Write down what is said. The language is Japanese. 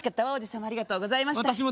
王子様ありがとうございました」。